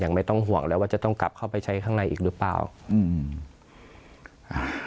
ไม่ต้องห่วงแล้วว่าจะต้องกลับเข้าไปใช้ข้างในอีกหรือเปล่าอืมอ่า